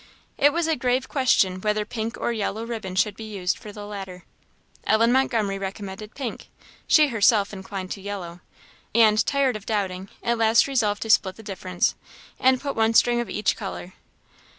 It was a grave question whether pink or yellow ribbon should be used for the latter; Ellen Montgomery recommended pink, she herself inclined to yellow, and, tired of doubting, at last resolved to split the difference, and put one string of each colour.